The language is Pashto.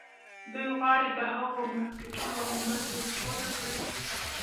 دوی غواړي د هغو مارکيټونو لمن ور ټوله کړي.